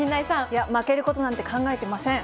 負けることなんて考えてません。